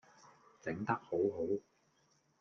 整得好好